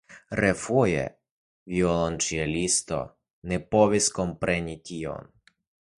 Refoje la violonĉelisto ne povis kompreni tion.